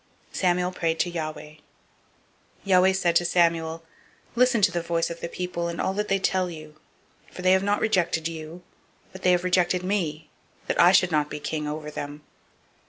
Samuel prayed to Yahweh. 008:007 Yahweh said to Samuel, Listen to the voice of the people in all that they tell you; for they have not rejected you, but they have rejected me, that I should not be king over them.